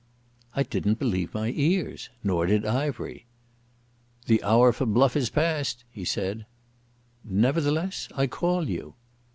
I didn't believe my ears. Nor did Ivery. "The hour for bluff is past," he said. "Nevertheless I call you."